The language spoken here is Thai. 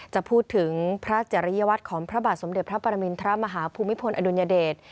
จะพูดถึงพระเจริยวัตรของพระบาทสมเด็จพระปรมินทรมาฮภูมิพลอดุลยเดช